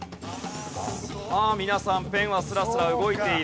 さあ皆さんペンはスラスラ動いている。